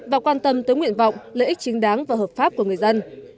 và quan tâm tới nguyện vọng lợi ích chính đáng và hợp pháp của người dân